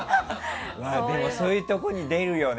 そういうところに出るよね。